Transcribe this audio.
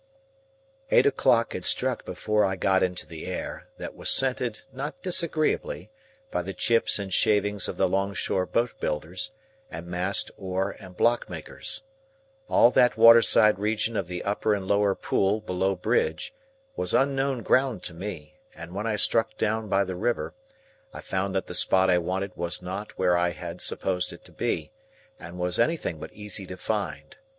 Eight o'clock had struck before I got into the air, that was scented, not disagreeably, by the chips and shavings of the long shore boat builders, and mast, oar, and block makers. All that water side region of the upper and lower Pool below Bridge was unknown ground to me; and when I struck down by the river, I found that the spot I wanted was not where I had supposed it to be, and was anything but easy to find.